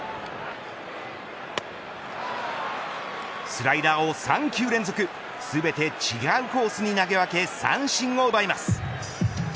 スライダーを３球連続全て違うコースに投げ分け三振を奪います。